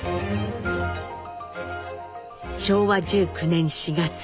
昭和１９年４月。